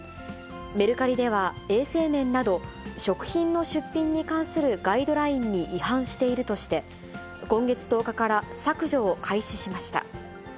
メルカリでは衛生面など、食品の出品に関するガイドラインに違反しているとして、今月１０日から削除を開始しました。